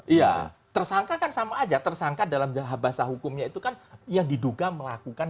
iya tersangka kan sama aja tersangka dalam bahasa hukumnya itu kan yang diduga melakukan